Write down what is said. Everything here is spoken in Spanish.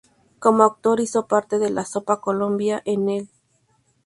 Como actor hizo parte de "La Sopa Colombia" en E!